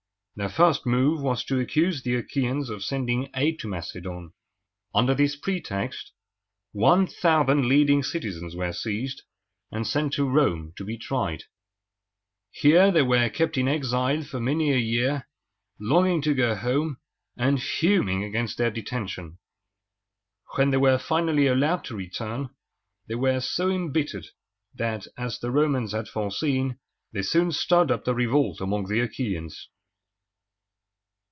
Their first move was to accuse the Achæans of sending aid to Macedon. Under this pretext, one thousand leading citizens were seized, and sent to Rome to be tried. Here they were kept in exile for many a year, longing to go home, and fuming against their detention. When they were finally allowed to return, they were so imbittered, that, as the Romans had foreseen, they soon stirred up a revolt among the Achæans.